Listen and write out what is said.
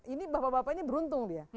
ini bapak bapak ini beruntung dia